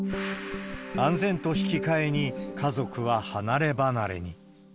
安全と引き換えに、家族は離れ離れに。